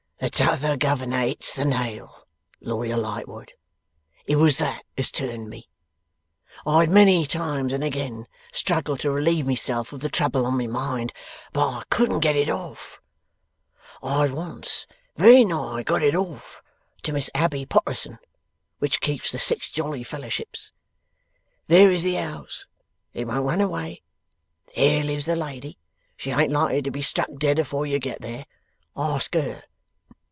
'The T'other Governor hits the nail, Lawyer Lightwood! It was that as turned me. I had many times and again struggled to relieve myself of the trouble on my mind, but I couldn't get it off. I had once very nigh got it off to Miss Abbey Potterson which keeps the Six Jolly Fellowships there is the 'ouse, it won't run away, there lives the lady, she ain't likely to be struck dead afore you get there ask her!